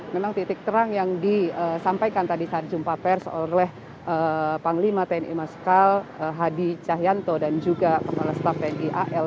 memang titik terang yang disampaikan tadi saat jumpa pers oleh panglima tni maskal hadi cahyanto dan juga kepala staf tni al